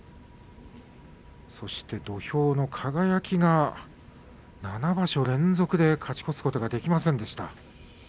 そして土俵の輝が７場所連続で勝ち越すことができませんでした。